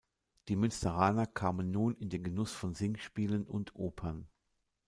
Die Münsteraner kamen nun in den Genuss von Singspielen und Opern.